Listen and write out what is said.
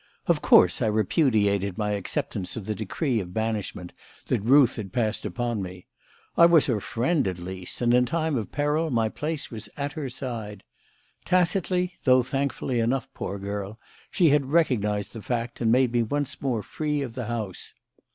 Of course, I repudiated my acceptance of the decree of banishment that Ruth had passed upon me. I was her friend, at least, and in time of peril my place was at her side. Tacitly though thankfully enough, poor girl! she had recognised the fact and made me once more free of the house.